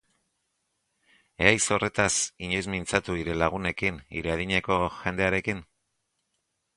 Ez haiz horretaz inoiz mintzatu hire lagunekin, hire adineko jendearekin?